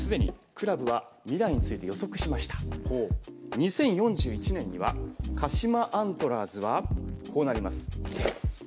２０４１年には鹿島アントラーズはこうなります。